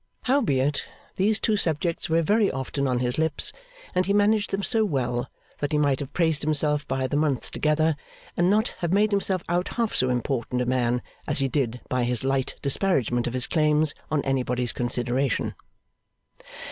Howbeit, these two subjects were very often on his lips; and he managed them so well that he might have praised himself by the month together, and not have made himself out half so important a man as he did by his light disparagement of his claims on anybody's consideration.